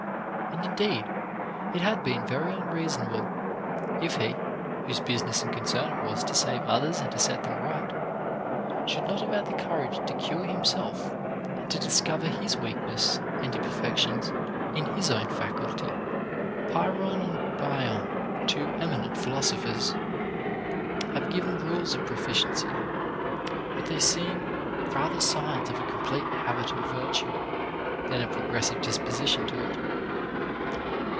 And, indeed, it had been very unreasona ble, if he, whose business and concern it was to save others and to set them right, should not have had the courage to cure himself, and to discover his weakness and imperfec tions in his own faculty. OF MAN'S PROGRESS IN VIRTUE. 467 Pyrrhon and Bion (two eminent philosophers) have given rules of proficiency ; but they seem rather signs of a com plete habit of virtue, than a progressive disposition to it.